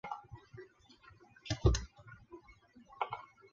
由原浦口区政府所在地浦口街道和泰山街道合并而成。